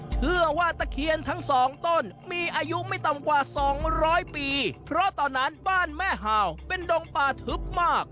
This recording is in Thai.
ตะเคียนทั้งสองต้นมีอายุไม่ต่ำกว่าสองร้อยปีเพราะตอนนั้นบ้านแม่ฮาวเป็นดงป่าทึบมาก